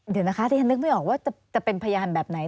เดี๋ยวนะคะที่ฉันนึกไม่ออกว่าจะเป็นพยานแบบไหน